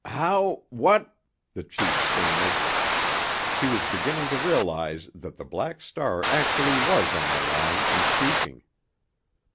"How—what——" the chief stammered. He was beginning to realize that the Black Star actually was on the line and speaking.